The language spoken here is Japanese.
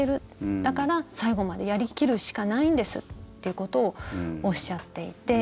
だから最後までやり切るしかないんですっていうことをおっしゃっていて。